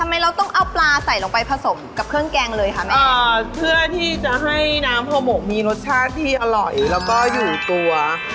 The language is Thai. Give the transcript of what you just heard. เราต้องเอาปลาใส่ลงไปผสมกับเครื่องแกงเลยค่ะแม่เพื่อที่จะให้น้ำโฮหมกมีรสชาติที่อร่อยแล้วก็อยู่ตัว